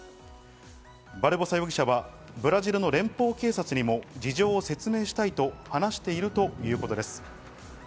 バルボサ容疑者はブラジルの連邦警察にも事情を説明したいと話しているということです。